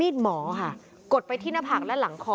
หมอค่ะกดไปที่หน้าผากและหลังคอ